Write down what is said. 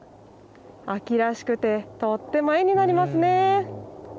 秋らしくてとっても絵になりますね。